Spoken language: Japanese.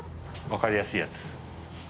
分かりやすいやつ。